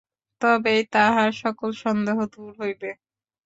তবেই তাহার সকল সন্দেহ দূর হইবে।